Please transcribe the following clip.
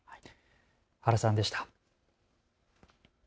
原さんでした。